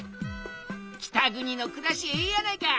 北国のくらしええやないか！